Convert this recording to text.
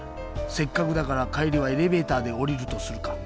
せっかくだからかえりはエレベーターでおりるとするか。